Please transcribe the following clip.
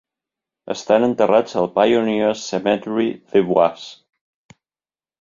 Estan enterrats al Pioneer Cemetery de Boise.